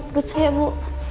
perut saya bu